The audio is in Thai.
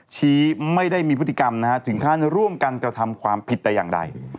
ชี้ไม่ได้มีพฤติกรรมนะฮะถึงขั้นร่วมกันกระทำความผิดแต่อย่างใด